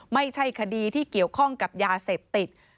ไม่ใช่คดีที่เกี่ยวข้องกับยาเสพติด